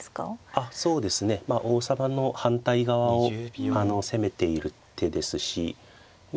そうですね王様の反対側を攻めている手ですしま